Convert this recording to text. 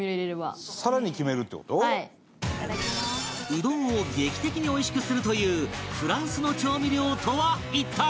うどんを劇的においしくするというフランスの調味料とは一体？